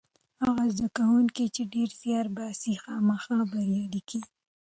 هغه زده کوونکی چې ډېر زیار باسي خامخا بریالی کېږي.